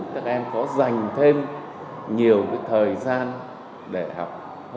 các em có dành thêm nhiều thời gian để học